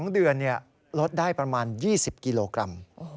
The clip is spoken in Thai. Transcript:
๒เดือนลดได้ประมาณ๒๐กิโลกรัม